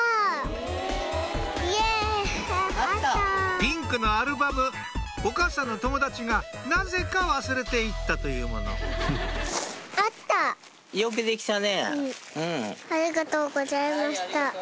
ピンクのアルバムお母さんの友達がなぜか忘れて行ったというものよくできたね。